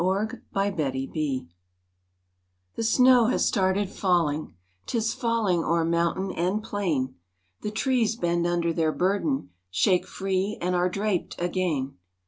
*THE SNOWSTORM* The snow has started falling, 'Tis falling o'er mountain and plain, The trees bend under their burden, Shake free, and are draped again.